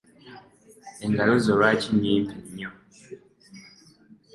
Engalo zo lwaki nnyimpi nnyo?